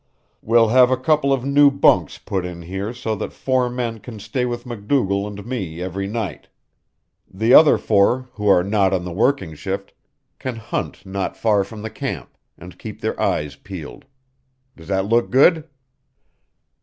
We'll have a couple of new bunks put in here so that four men can stay with MacDougall and me every night. The other four, who are not on the working shift, can hunt not far from the camp, and keep their eyes peeled. Does that look good?"